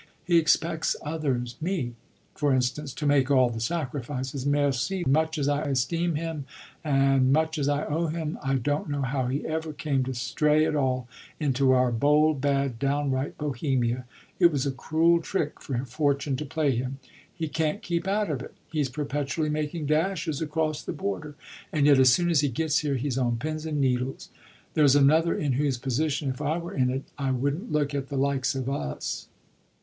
He expects others me, for instance to make all the sacrifices. Merci, much as I esteem him and much as I owe him! I don't know how he ever came to stray at all into our bold, bad, downright Bohemia: it was a cruel trick for fortune to play him. He can't keep out of it, he's perpetually making dashes across the border, and yet as soon as he gets here he's on pins and needles. There's another in whose position if I were in it I wouldn't look at the likes of us!"